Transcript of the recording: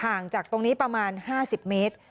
จากตรงนี้ประมาณ๕๐เมตร